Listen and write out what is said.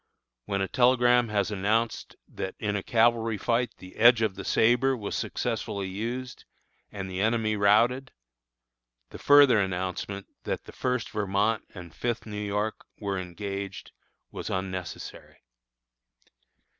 When a telegram has announced that "in a cavalry fight the edge of the sabre was successfully used, and the enemy routed," the further announcement that the First Vermont and Fifth New York were engaged, was unnecessary.